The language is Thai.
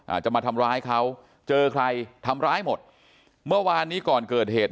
จะมาทำร้ายเขาเจอใครทำร้ายหมดเมื่อวานนี้ก่อนเกิดเหตุ